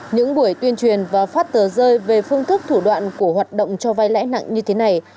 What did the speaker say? những buổi tuyên truyền và phát tờ rơi về phương thức thủ đoạn của hoạt động cho vai lãi nặng như thế này